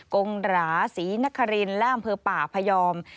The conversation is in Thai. กงหราศรีนครินและอำเภอป่าพยอม